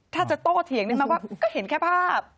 ถ้าจะโต้เถียงนึงมาว่าก็เห็นแค่ภาพ